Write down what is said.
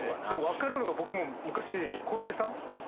分かるのが僕も昔コロッケさん。